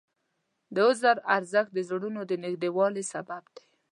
د عذر ارزښت د زړونو د نږدېوالي سبب دی.